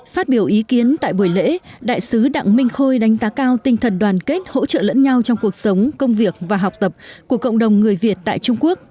phát biểu ý kiến tại buổi lễ đại sứ đặng minh khôi đánh giá cao tinh thần đoàn kết hỗ trợ lẫn nhau trong cuộc sống công việc và học tập của cộng đồng người việt tại trung quốc